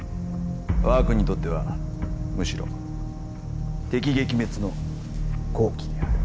我が軍にとってはむしろ敵撃滅の好機である。